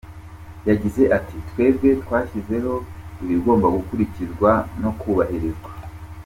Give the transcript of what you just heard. Yagize ati “Twebwe twashyizeho ibigomba gukurikizwa no kubahirizwa.